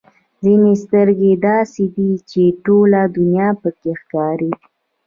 ځینې سترګې داسې دي چې ټوله دنیا پکې ښکاري.